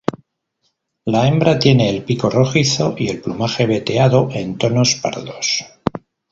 La hembra tiene el pico rojizo y el plumaje veteado en tonos pardos.